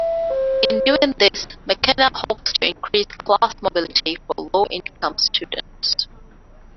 In doing this, McKenna hopes to increase class mobility for low-income students.